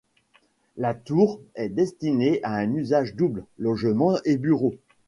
La tour est destinée à un usage double, logements et bureaux.